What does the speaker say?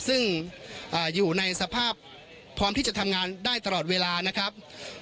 ซึ่งอยู่ในสภาพพร้อมที่จะทำงานได้ตลอดเวลานะครับ